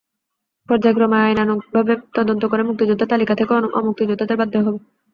পর্যায়ক্রমে আইনানুগভাবে তদন্ত করে মুক্তিযোদ্ধার তালিকা থেকে অমুক্তিযোদ্ধাদের বাদ দেওয়া হবে।